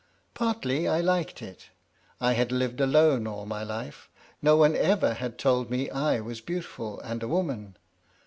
Partly I liked it. I had lived alone all my life; no one ever had told me I was beautiful and a woman.